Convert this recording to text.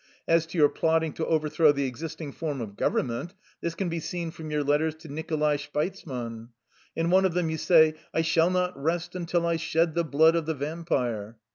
As to your plotting to overthrow the existing form of gov ernment, this can be seen from your letters to Nicholai Shpeizman. In one of them you say: 'I shall not rest until I shed the blood of the vampire.'